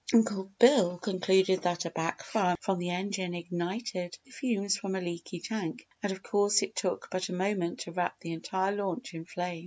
Uncle Bill concluded that a back fire from the engine ignited the fumes from a leaky tank and of course it took but a moment to wrap the entire launch in flame.